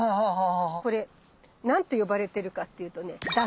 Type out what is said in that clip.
これ何て呼ばれてるかっていうとね「ダニ室」。